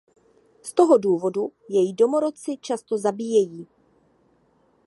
Z toho důvodu jej domorodci často zabíjejí.